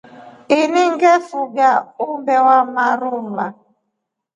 Ina ngefunga umbe wa marua.